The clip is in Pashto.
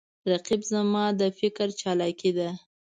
رقیب زما د فکر چالاکي ده